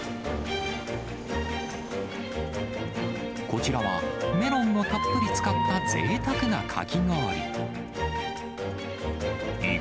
こちらは、メロンをたっぷり使ったぜいたくなかき氷。